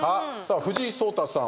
藤井聡太さん